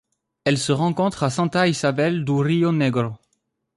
Elle se rencontre à Santa Isabel do Rio Negro.